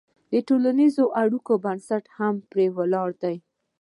د ټولنیزو اړیکو بنسټ هم پرې ولاړ دی.